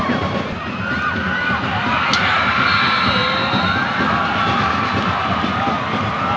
โปรดติดตามตอนต่อไป